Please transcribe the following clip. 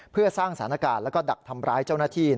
เพื่อสร้างสถานการณ์แล้วก็ดักทำร้ายเจ้าหน้าที่